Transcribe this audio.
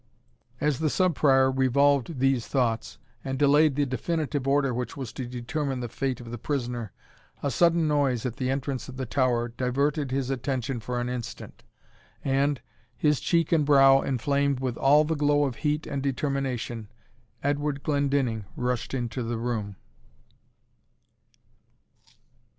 As the Sub Prior revolved these thoughts, and delayed the definitive order which was to determine the fate of the prisoner, a sudden noise at the entrance of the tower diverted his attention for an instant, and, his cheek and brow inflamed with all the glow of heat and determination, Edward Glendinning rushed into the room.